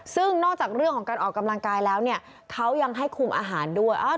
ซึ่งนอกจากเรื่องของการออกกำลังกายแล้วเนี่ยเขายังให้คุมอาหารด้วย